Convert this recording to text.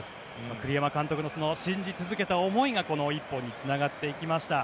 栗山監督の信じ続けた思いがこの１本につながっていきました。